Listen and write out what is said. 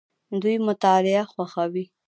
دوی مطالعه خوښوي.